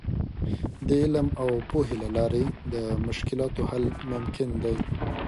د علم او پوهې له لارې د مشکلاتو حل ممکن دی.